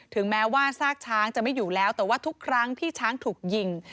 แม้ว่าซากช้างจะไม่อยู่แล้วแต่ว่าทุกครั้งที่ช้างถูกยิง